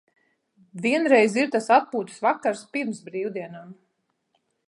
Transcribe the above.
Vienreiz ir tas atpūtas vakars pirms brīvdienām.